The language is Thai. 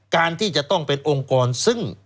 การที่จะต้องเป็นองค์กรซึ่ง